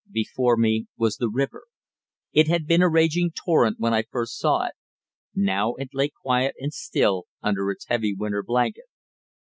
Before me was the river. It had been a raging torrent when I first saw it; now it lay quiet and still under its heavy winter blanket.